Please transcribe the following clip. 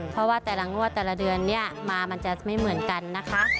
เพราะว่าแต่ละงวดแต่ละเดือนเนี่ยมามันจะไม่เหมือนกันนะคะ